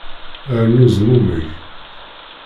Rnu zmummeg.